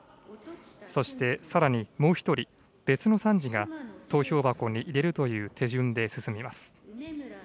そしてさらにもう１人、別の参事が投票箱に入れるという手順で進みます。